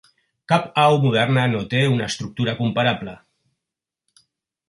Cap au moderna no té una estructura comparable.